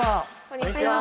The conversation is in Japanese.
こんにちは。